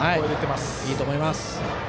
いいと思います。